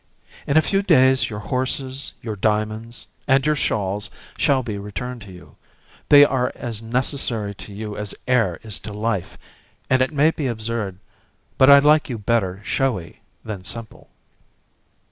In a few days your horses, your diamonds, and your shawls shall be returned to you. They are as necessary to you as air is to life, and it may be absurd, but I like you better showy than simple."